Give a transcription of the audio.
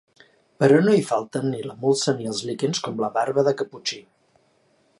Però no hi falten ni la molsa ni els líquens com la barba de caputxí.